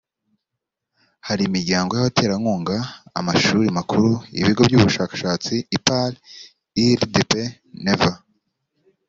hari imiryango y’abaterankunga amashuri makuru ibigo by’ubushakashatsi ipar , irdp never